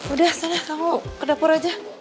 udah saya kamu ke dapur aja